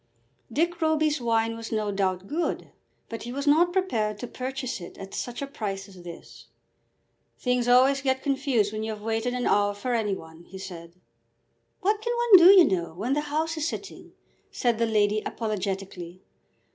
Dick Roby's wine was no doubt good, but he was not prepared to purchase it at such a price as this. "Things always get confused when you have waited an hour for any one," he said. "What can one do, you know, when the House is sitting?" said the lady apologetically.